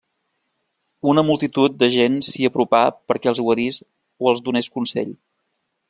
Una multitud de gent s'hi apropà perquè els guarís o els donés consell.